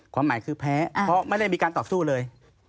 ความหมายคือแพ้เพราะไม่ได้มีการต่อสู้เลย